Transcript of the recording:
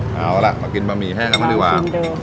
เอาล่ะมากินบะหมี่แห้งกันบ้างดีกว่า